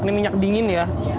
ini minyak dingin ya